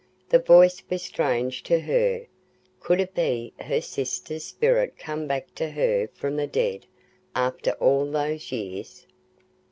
The voice was strange to her. Could it be her sister's spirit come back to her from the dead after all those years?